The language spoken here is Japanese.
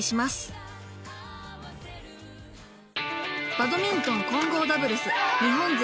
バドミントン混合ダブルス日本勢